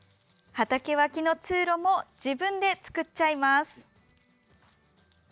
畑脇の通路も自分で作っちゃいます。